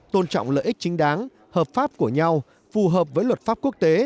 tôn trọng lợi ích chính đáng hợp pháp của nhau phù hợp với luật pháp quốc tế